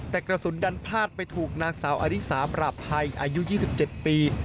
แต่กระสุนดันพลาดไปถูกนางสาวอริสาปราบภัยอายุ๒๗ปี